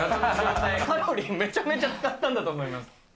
カロリー、めちゃくちゃ使ったんだと思います。